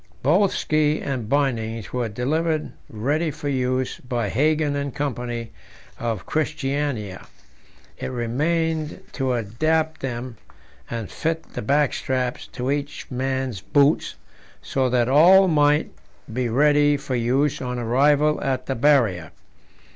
Both ski and bindings were delivered ready for use by Hagen and Co., of Christiania; it remained to adapt them, and fit the backstraps to each man's boots, so that all might be ready for use on arrival at the Barrier.